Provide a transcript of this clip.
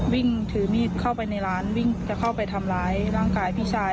วิ่งถือมีดเข้าไปในร้านวิ่งจะเข้าไปทำร้ายร่างกายพี่ชาย